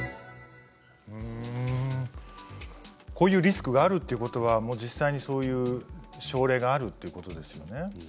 こういうリスクがあるということは実際にそういう症例があるということですね。